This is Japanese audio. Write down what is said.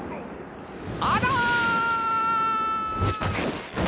あら！